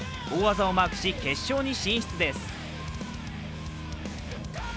大技をマークし、決勝に進出です。